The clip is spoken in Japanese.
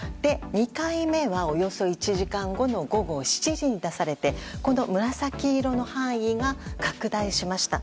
２回目は、およそ１時間後の午後７時に出されて紫色の範囲が拡大しました。